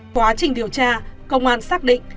quá trình điều tra công an xác định